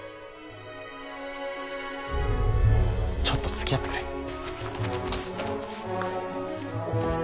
ちょっとつきあってくれ。